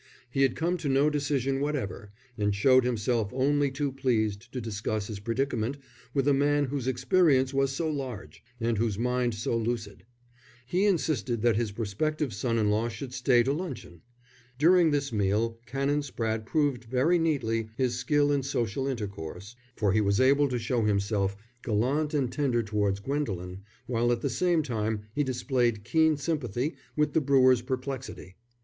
He had come to no decision whatever, and showed himself only too pleased to discuss his predicament with a man whose experience was so large, and whose mind so lucid. He insisted that his prospective son in law should stay to luncheon. During this meal Canon Spratte proved very neatly his skill in social intercourse, for he was able to show himself gallant and tender towards Gwendolen, while at the same time he displayed keen sympathy with the brewer's perplexity.